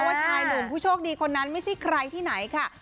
ว่าชายหนุ่มผู้โชคดีคนนั้นไม่ใช่ใครที่ไหนค่ะ